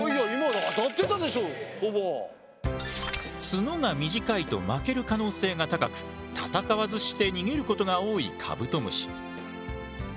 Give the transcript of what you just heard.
角が短いと負ける可能性が高く戦わずして逃げることが多いカブトムシ。